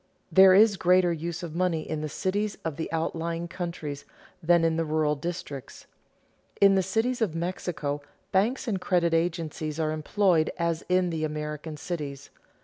There is greater use of money in the cities of the outlying countries than in the rural districts. In the cities of Mexico banks and credit agencies are employed as in the American cities.